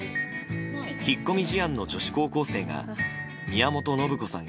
引っ込み思案の女子高校生が宮本信子さん